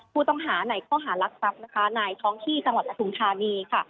ผู้ต้องหาไหนก็หารักษัพนะคะนายท้องที่จังหวัดประถุงธานีค่ะ